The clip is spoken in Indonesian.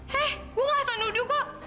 hei saya tidak akan menuduh kok